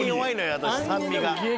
私酸味が。